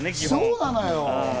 そうなのよ。